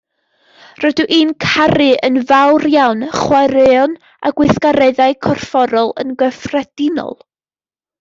Rydw i'n caru yn fawr iawn chwaraeon a gweithgareddau corfforol yn gyffredinol